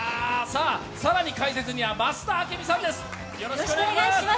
更に解説には増田明美さんです。